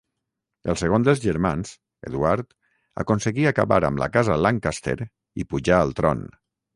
El segon dels germans, Eduard, aconseguí acabar amb la casa Lancaster i pujà al tron.